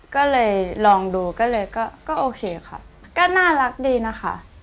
ก็เลยลองดูก็เลยก็โอเคค่ะก็น่ารักดีนะคะ